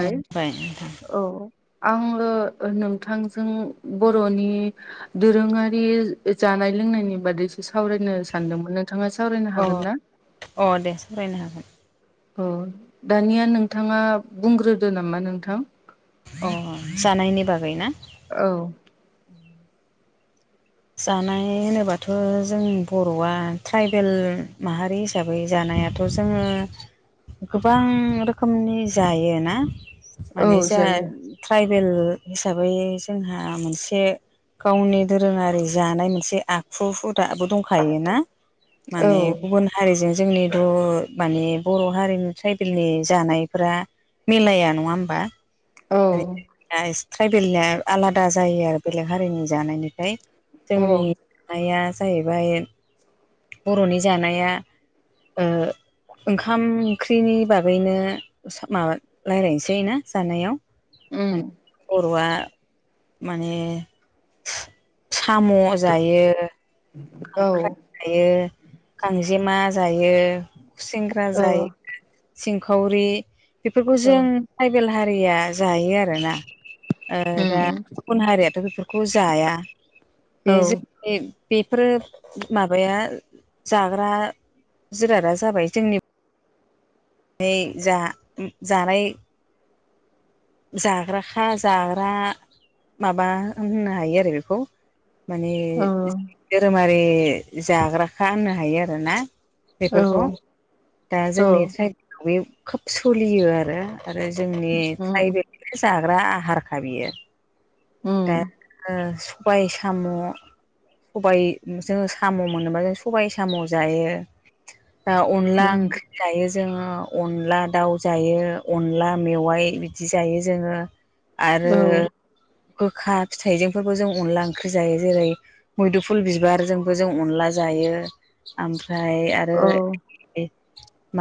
औ ओमफाय। औ आङो नोंथांजों बर'नि दोरोङारि जानाय लोंनायनि बादैसो सावरायनो सानदोंमोन। नोंथाङा सावरायनो अ हागोन ना? अ दे सरायनो हागोन। औ दानिया नोंथाङा बुंग्रोदो नामा नोंथां? अ जानायनि बागै ना? औ। जानाय होनोबाथ' जों बर'आ ट्राइबेल माहारि हिसाबै जानायाथ' जोङो गोबां रोखोमनि जायो ना औ माने जाहा जायो ट्राइबेल हिसाबै जोंहा मोनसे गावनि दोरोङारि जानाय मोनसे आखु हुदाबो दंखाय ना औ माने गुबुन हारिजों जोंनि' मानि‌ बर' हारिनि ट्राइबेलनि जानायफोरा मिलाया नङा होमबा? औ म ट्राइबेलनिया आलादा जायो आरो बेलेग हारिनि जानायनिफ्राय औ जोंनि नाया जाहैबाय बर'नि जानाया ओंखाम ओंख्रिनि बागैनो माबा राय्लायनोसै ना जानायाव उम। माने बर'आ माने साम' जायो। औ खांख्राय जायो गांजेमा जायो खुसेंग्रा औ जायो। सिंखावरि बेफोरखौ औ जों ट्राइबेल हारिया जायो आरोना दा उम गुबुन हारियाथ' बेफोरखौ जाया। औ बे जों बे। बेफोर माबाया जाग्रा जिरादा जाबाय जोंनि बेमै जा जानाय जाग्राखा जाग्रा माबा होननो हायो आरो बेखौ माने औ धोरोमारि जाग्राखा होननो हायो आरोना। औ बेफोरखौ दा औ जोंनि ट्राइबेलाव बे खोब सोलियो आरो आरो जोंनि उम ट्राइबेल जाग्रा आहारखा बियो। दा उम सबाय साम' सबाय जोङो साम' मोनोबा जों सबाय साम' जायो। आ अनला उम ओं जायो जोङो अनला दाउ जायो अनला मेवाइ बिदि जायो जोङो। आरो औ गोखा फिथाइजोंफोरबो जों अनला ओंख्रि जायो जेरै मैदुफुल बिबारजोंबो जों अनला जायो। ओमफ्राय आरो औ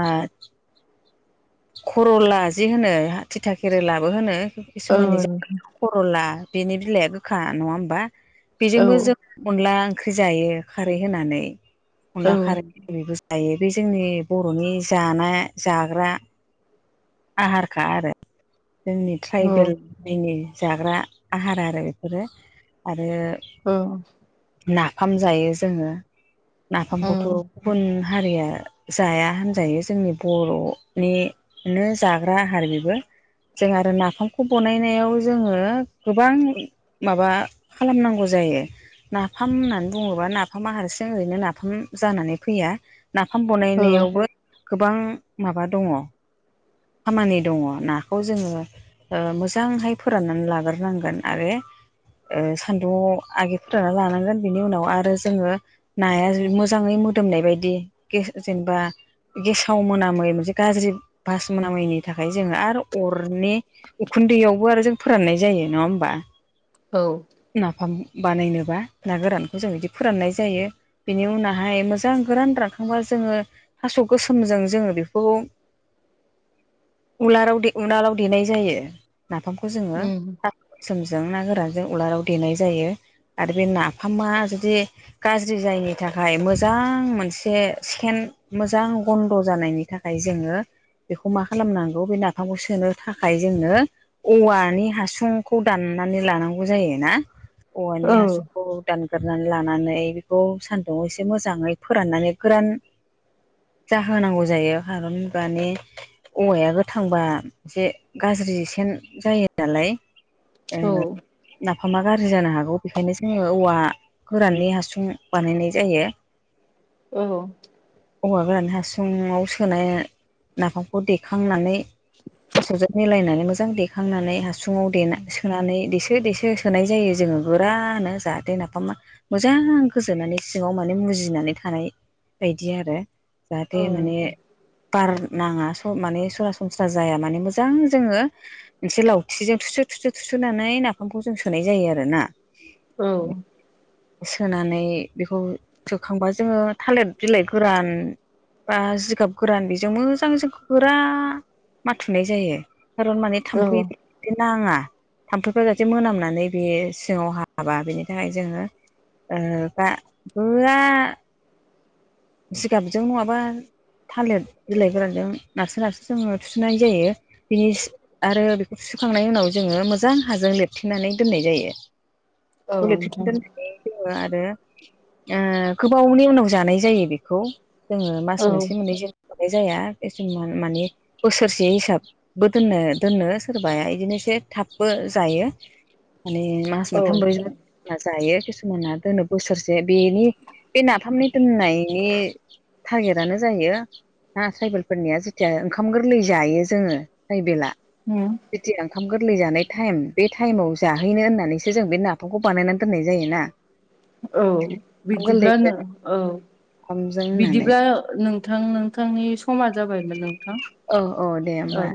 मा खर'ला जि होनो थिथााखेरि लाबो होनो औ किसुमाननि जा नोंथां खरला बिनि बिलाइआ गोखा नङा होमबा बेजोंबो औ जों अनला ओंख्रि जायो खारै होनानै अनला खारै जैबो जायो बे जोंनि बर'नि जानाया जाग्रा आहारखा आरो जोंनि औ ट्राइबेल औ दैनि जाग्रा आहार आरो बेफोरो आरो। औ। नाफाम जायो जोङो नाफामखौथ'। उम गुबुन हारिया जाया हामजायो जोंनि बर'नि बिनो जाग्रा आहार बेबो जों आरो नाफामखौ बानायनायाव जोङो गोबां माबा खालामनांगौ जायो। नाफाम होननानै बुङोब्ला नाफामा हारसिं ओरैनो नाफाम जानानै फैया। नाफाम ओ बनायनायावबो गोबां माबा दङ। खामानि दङ नाखौ जोङो मोजांहाय फोराननानै लाग्रोनांगोन आरो। सान्दुं आगिरफोरानना लानांगोन बिनि उनाव आरो जोङो। नाया मोजाङै मोदोमनाय बायदि जेनेबा गेसाव मोनामै मोनसे गाज्रि ुम मैनि थाखाय जोङो आरो अरनि उखुन्दैयावबो आरो जों फोराननाय जायो नङा होमबा? औ। नाफाम बानायनोबा ना गोरानखौ जों बिदि फोराननाय जायो। बिनि उनावहाय मोजां गोरान रानखांबा जोङो। थास' गोसोमजों जोङो बेखौ। उलालाव द उनालाव देनाय जायो। नाफामखौ जोङो उम साबसोमजों ना गोरानजों उलाराव देनाय जायो। आरो बे नाफामा जुदि गाज्रि जायिनि थाखाय मोजां मोनसे सेकेन्ड। मोजां गन्द' जानायनि थाखाय जोङो। बेखौ मा खालामनांगौ बे नाफामखौ सोनो थाखाय जोंनो औवानि हासुंखौ दाननानै लानांगौ जायो ना औ औवानि हासुंखौ। गानगोरनानै लानानै बेखौ सान्दुं एसे मोजाङै फोराननानै गोरान जाहोनांगौ जायो खारन मानि औवाया गोथांबा एसे गाज्रि सेन जायो नालाय। औ। नामा गाज्रि जानो हागौ बेखायनो जोङो औवा गोराननि हासुं बानायनाय जायो। [inaudible] औ। औवा गोरान हासुुंङाव सोनाय नाफामखौ देखांनानै थास'जों मिलायनानै मोजां देखांनानै हासुङाव देना सोनानै देसो देसो सोनाय जायो जोङो गुरानो जाहाथे नाफामा मोजां गोजोननानै सिङाव माने मुजिनानै थानाय बायदि आरो। जाहाथे माने बार नाङा माने सरासनस्रा जाया माने मोजां जोङो। मोनसे लावथिजों थुसु थुसु थुसुनानै नाफामखौ जों सोनाय जायो आरो ना औ। सोनानै बेखौ सोखांबा जोङो थालिर बिलाइ गोरान। बा जिगाब गोरान बेजों मोजां जों गोरा माथुनाय जायो। खारन माने औ थाम्फै। बि नाङा थाम्फैफ जाहाथे मोनामनानै बे सिङाव हाबा बेनि थाखाय जोङो। गा जिगाबजों नङाबा थालिर बिलाइ गोरानजों नारसो नारसो जोङो थुसुनाय जायो। बिनि आरो बेखौ सुखांनायनि उनाव जोङो मोजां हाजों लिरथेनानै दोननाय जायो। औ ब नोंथां आरो गोबावनि उनाव जानाय जायो बेखौ। जोङो औ मास नोंथां औ मोनसे मोननै जों मोननाय जाया [unintelligible] माने बोसोरसे हिसाब बो दोननो दोननो सोरबाया बिदिनो एसे थाबबो जायो [unintelligible] औ नोंथां था जायो किसुमाना दोनो बोसोरसे बेनि बे नाफामनि दोननाय बिनि थटारगेटनो जायो दा ट्राइबेलफोरनिया जेथिया ओंखाम गोरलै जायो जोङो ट्राइबेला उम बिदि ओंखाम गोरलै जानाय टाइम बे टाइमाव जाहैनो होननानैसो जों बे नाफामखौ बानायनानै दोननाय जायोना [inaudible] औ ओंखाम गोरलैजों बिरदिब्लानो औ ओंखामजों होननानै बिदिब्ला नोंथां नोंथांनि समा जाबायमोन नोंथां औ औ दे ओ होमबा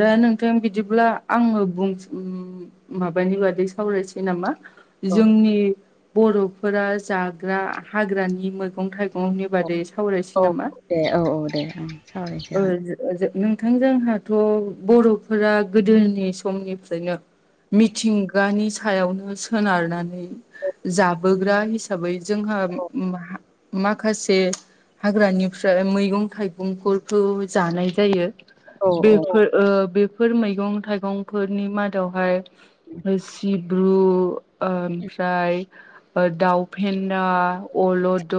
दा नोंथां बिदिब्ला आङो बुं माबानि बादै सावरायसै नामा औ जोंनि बर'फोरा जाग्रा हाग्रानि मैगं थाइगंनि बादै सावरायसै औ नामा दे औ औ दे ओं सावरायनोसै जाहा ओ जो नोंथां जोंहाथ' बर'फोरा गोदोनि समनिफ्रायनो मिथिंगानि सायावनो सोनारनानै जाबोग्रा हिसाबै हिसाबै जोंहा मा माखासे हाग्रानिफ्राय मैगं थाइगंफोरखौ जानाय जायो ओ औ औ बेफोर बेफोर मैगं थाइगंफोरनि मादावहाय सिब द्रु ओमफ्राय दाउफेन्दा अलद दद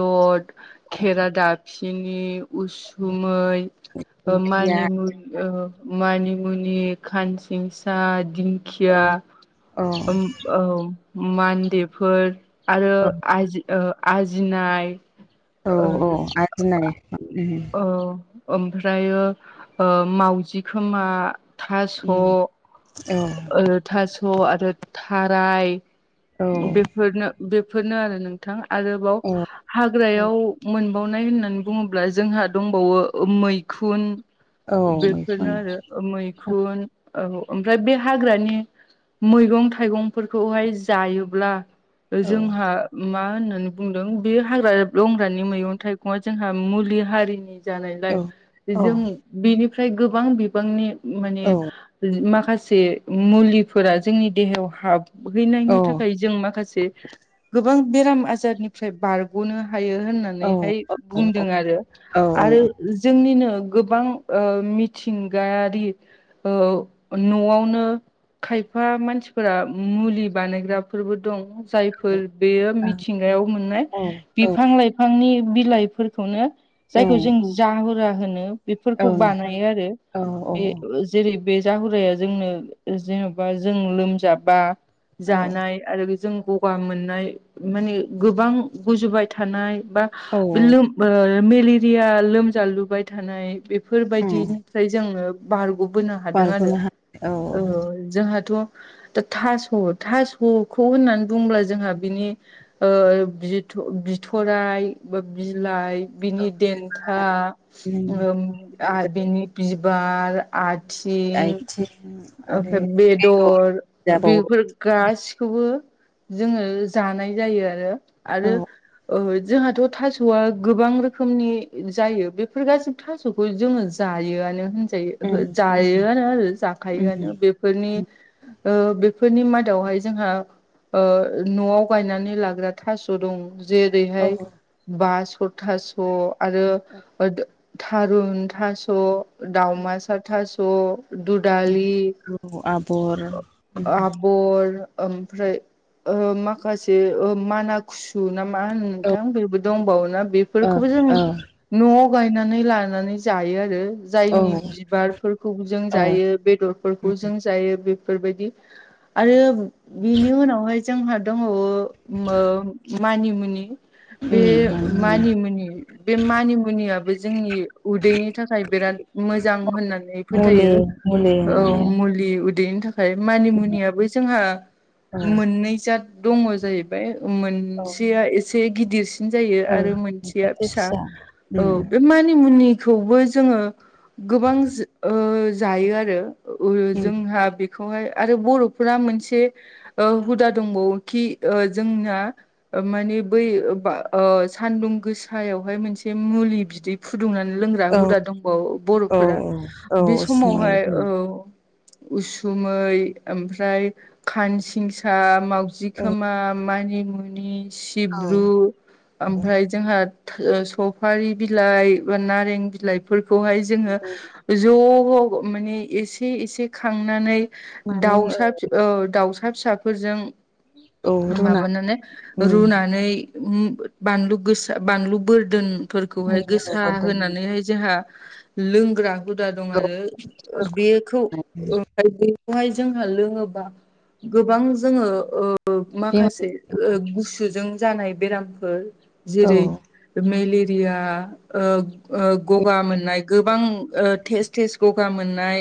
औ खेरा दाफिनि उसुमै ओंख्रिया मानिमु ओ मानिमुनि खानसिंसा औ दिंखिया औ ओम औ मान्देफोर आरो औ आजि ओ आजिनाय [unintelligible] औ अ आ [unintelligible] औ ओमफ्रायो मावउजि खोमा थास' उम ओ औ थास' आरो थाराय औ बेफोरनो बेफोरनो आरो नोंथां आरोबाव औ औ हाग्रायाव मोनबावनाय होननानै बुङोब्ला जोंहा दंबावो मैखुन औ बेफोरनो मैखुन आरो मैखुन औ ओमफ्राय बे हाग्रानि मैगं थाइगंफोरखौहाय जायोब्ला औ जोंहा मा होननानै बुंदों बे हाग्रा लंग्रानि मैगं थाइगङा जोंहा मुलि हारिनि जानायलाय औ औ जों बेनिफ्राय गोबां बिबांनि माने औ माखासे मुलिफोरा जोंनि देहायाव हाब हैनायनि थाखाय जों माखासे गोबां बेराम आजारनिफ्राय बारग'नो हायो औ होननानैहाय बुंदों आरो औ आरो जोंनिनो गोबां ओ मिथिंगायारि ओ न'आवनो खायफा मानसिफोरा मुलि बानायग्राफोरबो दं जाय फोर बेयो मिथिंगायाव मोननाय बिफां लाइफांनि बिलाइफोरखौनो औ जायखौ जों जाहुरा होनो बेफोरखौ नोंथां बानायो आरो औ औ बे जेरै बे जाहुराया जोंनो जेन'बा जों लोमजाबा औ जानाय आरो जों गगा मोननाय माने गोबां गुजुबाय थानाय बा औ बे लोम मेलेरिया लोमजालुबाय थानाय बेफोरबायदि औ फ्राय जोङो बारग'बोनो हादों आरो बारग'नो हानाय औ ओ जोंहाथ' दा थास' थास'खौ होननानै बुंब्ला जोंहा बिनि ओ बिथ' बिथ'राय बा बिलाइ बिनि देन्था ओ आ बिनि बिबार आथिं [unintelligible] ओफ्राय बेद'र बि जाबावो फोर गासिखौबो जोङो जानाय जायो आरो औ आरो ओ जोंहाथ' थास'आ गोबां रोखोमनि जायो बेफोर गासैबो थास सखौ जोङो जायोआनो उम होनजायो उम जायोआनो आरो उम जाखायोआनो बेफोरनि उम ओ बेफोरनि मादावहाय जोंहा ओ न'आव गायनानै लाग्रा थास' दं औ जेरैहाय बास'थास' आरो थारुन थास' दावमासा थास' दुद दालि औ आबर औ आब बर ओमफ्राय ओ माखासे माना खुसु ना मा होनो ओ नोंथां बेबो दंबावोना औ बेफोरखौबो जों न'आव गायनानै लानानै जायो आरो औ जायनि बिबारफोरखौ जों औ जायो बेदरफोरखौ जों जायो बेफोरबायदि आरो बिनि उनावहाय जोंहा दङ ओ मानिमुनि बे उम मानिमुनि बे मानिमुनियाबो जोंनि उदैनि थाखाय बिराद मोजां होननानै मुलि फोथायो मुलि औ होननानै मुलि उदैनि थाखाय मानि मुनियाबो जोंहा मोननै जा दङ जाहैबाय औ मोनसेया एसे गिदि सिन जायो आरो मोनसेया फिसा औ उम बे मानिमुनिखौबो जोङो गोबां ओ जायो आरो उम जोंहा बे खौहाय आरो बर'फोरा मोनसे ओ हुदा दंबावोखि जोंना ओ माने बै बा ओ सानदुं गोसायावहाय मोनसे मुलि बिदै फुदुंनानै लोङो हुदा औ हुदा दंबावो औ बर'फोरा औ बे उसुमै समावहाय होनो उसुमै आमफ्राय खानसिंसा [unintelligible] औ जिखोमा मानिमुनि औ सिब्रु ओमफ्राय जोंहा सफारि बिलाइ बा नारें बिलाइफोरखौहाय जोङो ज' माने एसे एसे खांनानै दाउसा औ दाउसा फिसाफोरजों औ रुना माबानानै उम रुनानै उम बानलु गोसा बानलु बोरदोन फोरखौहाय गोसा होनानैहाय जोंहा लोंग्रा हुदा दं आरो औ बेखौ [unintelligible] बेखौहाय जोंहा लोङोबा गोबां जोङो ओ बिमा माखासे गुसुजों जानाय बेरामफोर औ जेरै मेलेरिया ओ ओ गगा मोननाय गोबां टेस्ट थेस गगा मोननाय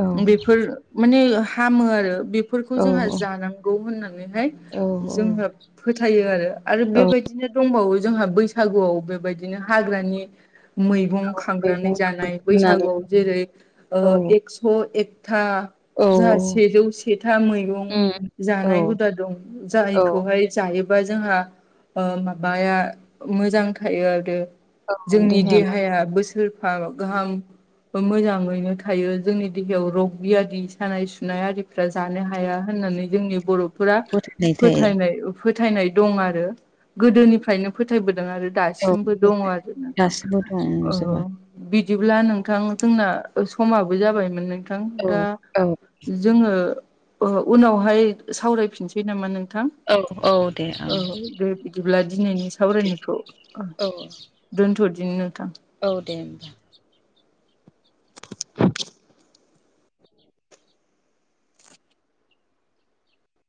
औ बेफोर मान हामो आरो फोरफोरखौ औ जोंहा जानांगौ होननानैहाय औ जोङो फोथायो आरो आरो औ बेबायदिनो दंबावो जोंहा बैसागुआव बेबायदिनो हाग्रानि मैगं खांनानै मैगं जानाय फाननानै बैसागुआव जेरै ओ औ एक्स' ए था औ जाहा सेजौ सेथा मैगं उम औ जानाय हुदा दं औ जारैखौहाय जायोबा जोंहा ओ माबाया मोजां थायो आरो औ जोंनि मा देहाया बोसोरफा गाहाम मोजाङैनो थायो जोंनि देहायाव रग बियादि सानाय सुनाय आरिफ्रा जानो हाया होननानै जोंनि बर' फोरा गथायनाय थायो फोथायनाय फोथायनाय दं आरो गोदोनिफ्रायनो फोथायबोदों आरो औ दासिमबो दङ आरो नोंथां गासिबो ओ दंजोबा बिदिब्ला नोंथां जोंना समाबो जाबायमोन नोंथां औ दा औ जोङो उनावहाय सावरायफिनसै नामा नोंथां। औ दे बिदिब्ला दिनैनि सावरायनायखौ औ दन थदिनि नोंथां औ दे होनोमबा [inaudible]